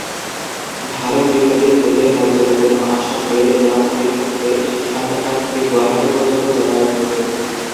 ভারত বিভাগের পূর্বে মর্যাদাপূর্ণ আসাম মেল লালমনিরহাট হয়ে সান্তাহার থেকে গুয়াহাটি পর্যন্ত যাতায়াত করত।